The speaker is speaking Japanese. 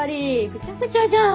ぐちゃぐちゃじゃん。